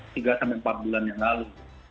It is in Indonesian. tiga sampai empat bulan yang lalu